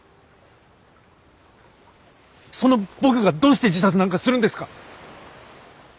その僕がどうして自殺なんかするんですか？